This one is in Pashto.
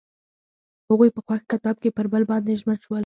هغوی په خوښ کتاب کې پر بل باندې ژمن شول.